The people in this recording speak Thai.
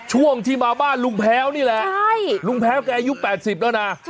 ช่วงที่มาบ้านลุงแพ้วนี่แหละลุงแพ้วแกอายุ๘๐แล้วนะ